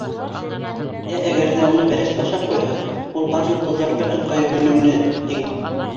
Ә әгәр ҙә уны бәрәс ашап ҡуйһа, ул бар йондоҙҙар бер ыңғайы һүнеүенә тиң!